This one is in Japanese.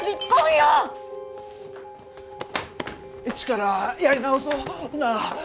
一からやり直そうなあ